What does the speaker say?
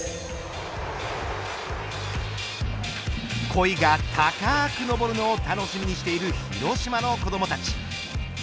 コイが高く昇るのを楽しみにしている広島の子どもたち。